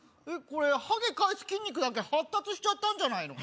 これハゲ返す筋肉だけ発達しちゃったんじゃないの？